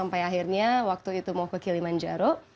sampai akhirnya waktu itu mau ke kilimanjaro